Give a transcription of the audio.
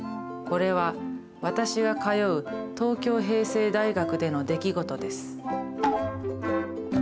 これは私が通う東京平成大学での出来事です。